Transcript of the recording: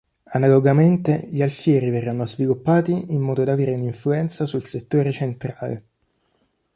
Analogamente gli alfieri verranno sviluppati in modo da avere una influenza sul settore centrale.